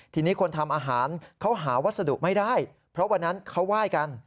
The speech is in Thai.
ทีนี้คนทำอาหารเขาหาวัสดุไม่ได้เพราะวันนั้นเขาไหว้กัน